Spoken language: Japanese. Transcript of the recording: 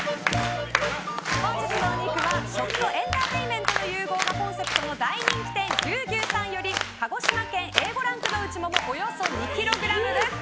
本日のお肉は、食とエンターテインメントの融合がコンセプトの大人気店牛牛さんより鹿児島県Ａ５ランクのうちもも、およそ２ｋｇです。